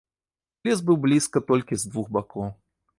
Лес быў блізка толькі з двух бакоў.